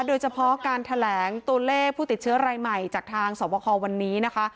โดยเฉพาะการแถลงตัวเลขผู้ติดเชื้อรายใหม่จากทางสวบคอวันนี้นะคะ